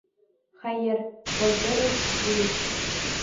Хәйер, был бер үк уй.